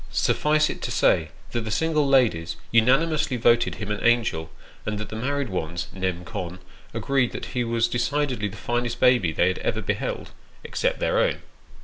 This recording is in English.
Suffice it to say, that the single ladies unanimously voted him an angel, and that the married ones, nem. con., agreed that he was decidedly the finest baby they had ever beheld except their own.